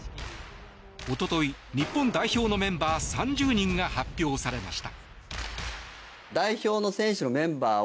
一昨日、日本代表のメンバー３０人を発表しました。